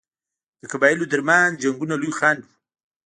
د قبایلو ترمنځ جنګونه لوی خنډ وو.